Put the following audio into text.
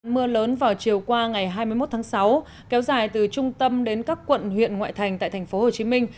mưa lớn vào chiều qua ngày hai mươi một tháng sáu kéo dài từ trung tâm đến các quận huyện ngoại thành tại thành phố hồ chí minh